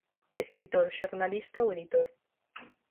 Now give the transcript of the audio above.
Escritor, xornalista ou editor.